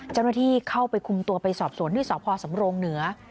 เจ้าหน้าที่เข้าไปคุมตัวไปสอบสวนที่สพสำรงเหนือ